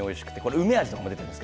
梅味も出ています